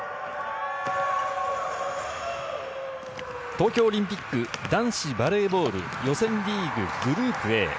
東京オリンピック男子バレーボール予選リーグ、グループＡ。